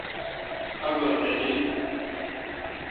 اگا دریل